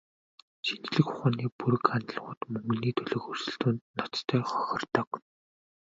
Шинжлэх ухааны бүрэг хандлагууд мөнгөний төлөөх өрсөлдөөнд ноцтой хохирдог.